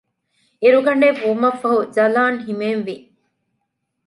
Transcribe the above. އިރުގަޑެއް ވުމަށްފަހު ޖަލާން ހިމޭން ވި